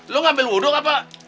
lu ngambil wuduk apa